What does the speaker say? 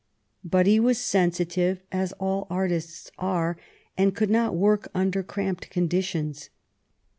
But he was sensitive, as all artists are, and could not work under cramped conditions.